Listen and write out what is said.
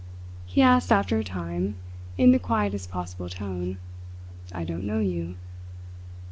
he asked after a time, in the quietest possible tone. "I don't know you."